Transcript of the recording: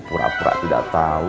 kura kura tidak tahu